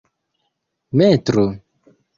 metro